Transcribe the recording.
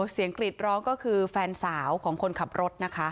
กรีดร้องก็คือแฟนสาวของคนขับรถนะคะ